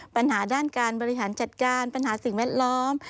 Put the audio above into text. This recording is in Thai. ปัญหาด้านการบริหารจัดการปัญหาสิ่งแวดล้อม